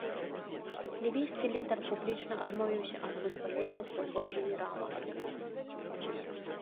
Лівійскі лідар публічна адмовіўся ад вызвалення свайго генерала.